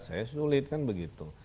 saya sulit kan begitu